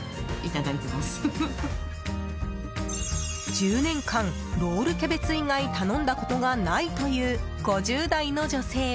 １０年間、ロールキャベツ以外頼んだことがないという５０代の女性は。